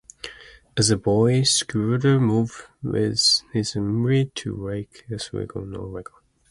As a boy, Schollander moved with his family to Lake Oswego, Oregon.